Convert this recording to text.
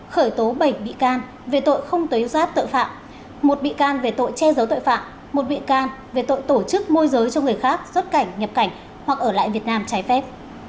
khởi tố bảy bị can về tội không tuyến rát tội phạm một bị can về tội che giấu tội phạm một bị can về tội tổ chức môi giới cho người khác xuất cảnh nhập cảnh hoặc ở lại việt nam trái phép